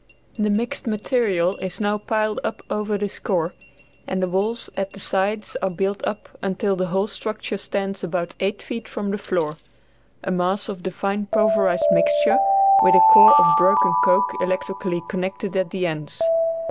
The mixed material is now piled up over this core, and the walls at the sides are built up until the whole structure stands about eight feet from the floor a mass of the fine pulverized mixture, with a core of broken coke electrically connected at the ends.